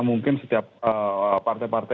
mungkin setiap partai partai